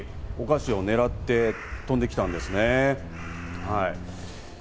この後、何羽かお菓子を狙って飛んできたんですね。